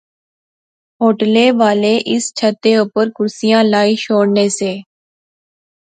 ہوٹلے والے اس چھتے اوپر کرسیاں لائی شوڑنے سے